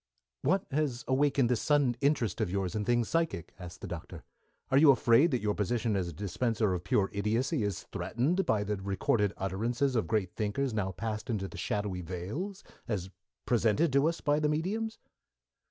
"What has awakened this sudden interest of yours in things psychic?" asked the Doctor. "Are you afraid that your position as a dispenser of pure idiocy is threatened by the recorded utterances of great thinkers now passed into the shadowy vales, as presented to us by the mediums?"